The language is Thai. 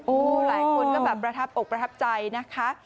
หลายคนก็แบบประทับอกประทับใจนะคะ